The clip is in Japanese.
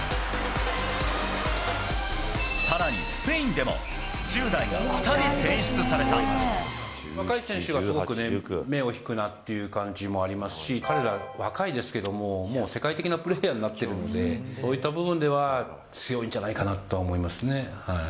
さらにスペインでも、若い選手がすごくね、目を引くなっていう感じもありますし、彼ら、若いですけども、もう世界的なプレーヤーになってるので、こういった部分では、強いんじゃないかなとは思いますね。